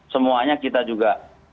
semuanya kita juga